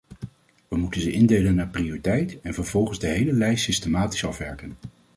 We moeten ze indelen naar prioriteit, en vervolgens de hele lijst systematisch afwerken.